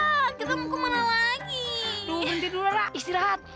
lo bentar dulu ra istirahat